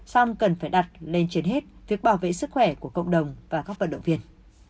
song cần phải đặt lên trên hết việc bảo vệ sức khỏe của cộng đồng và các vận động viên